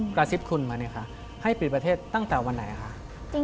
ประสิทธิ์คุณมาให้ปิดประเทศตั้งแต่วันไหน